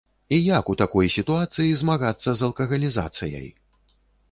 І як у такой сітуацыі змагацца з алкагалізацыяй?